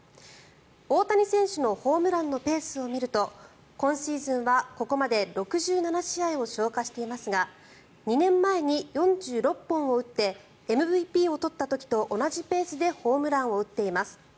大谷選手のホームランのペースを見ると今シーズンはここまで６７試合を消化していますが２年前に４６本を打ってＭＶＰを取った時と同じペースでホームランを打っています。